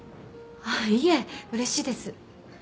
あっいえうれしいです。